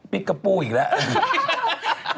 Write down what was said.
พี่กะปู้อีกแล้ว